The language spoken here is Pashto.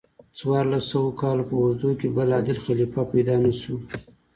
څوارلس سوو کالو په اوږدو کې بل عادل خلیفه پیدا نشو.